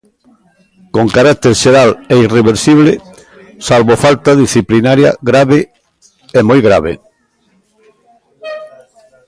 Con carácter xeral é irreversible, salvo falta disciplinaria grave e moi grave.